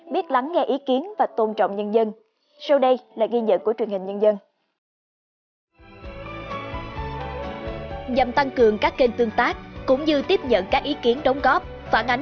biết lắng nghe ý kiến và tôn trọng nhân dân